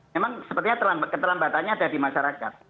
memang sepertinya keterlambatannya ada di masyarakat